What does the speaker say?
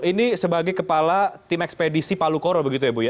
ini sebagai kepala tim ekspedisi palu koro begitu ya bu ya